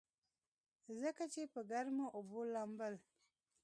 ځکه چې پۀ ګرمو اوبو لامبل